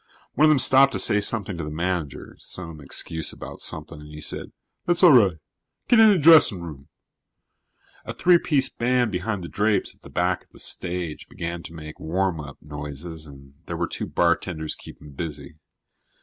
One of them stopped to say something to the manager, some excuse about something, and he said: "That's aw ri'; get inna dressing room." A three piece band behind the drapes at the back of the stage began to make warm up noises and there were two bartenders keeping busy.